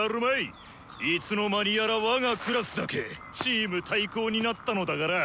いつの間にやら我がクラスだけチーム対抗になったのだから。